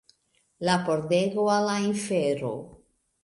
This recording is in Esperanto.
La pordego al la infero